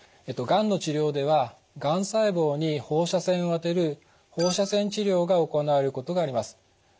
がんの治療ではがん細胞に放射線を当てる放射線治療が行われることがあります。